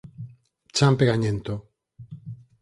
Chan pegañento